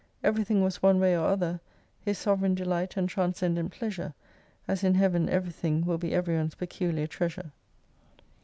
Everything was one way or other his sovereign delight and transcendent pleasure, as in Heaven everythhig will be everyone's peculiar treasure.